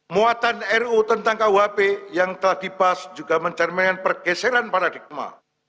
muatan ru tentang kuhp yang telah dibahas juga mencerminkan pergeseran paradigma